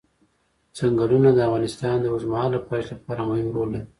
ځنګلونه د افغانستان د اوږدمهاله پایښت لپاره مهم رول لري.